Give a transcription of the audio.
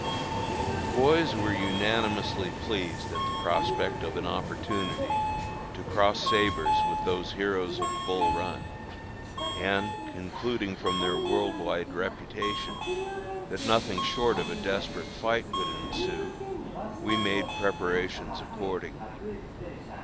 The boys were unanimously pleased at the prospect of an opportunity to cross sabres with those heroes of Bull Run, and, concluding from their worldwide reputation that nothing short of a desperate fight would ensue, we made preparations accordingly.